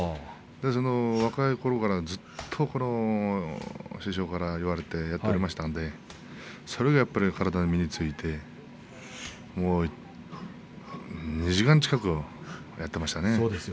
若いころからずっと師匠から言われてやっていましたのでそれがやっぱり体に身について２時間近くやっていましたね。